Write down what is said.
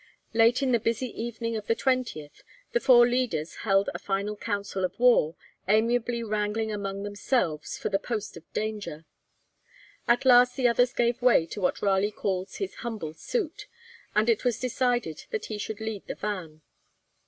Late in the busy evening of the 20th, the four leaders held a final council of war, amiably wrangling among themselves for the post of danger. At last the others gave way to what Raleigh calls his 'humble suit,' and it was decided that he should lead the van.